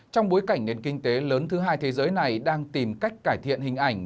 trong bối cảnh nền kinh tế lớn thứ hai thế giới này đang tìm cách cải thiện hình ảnh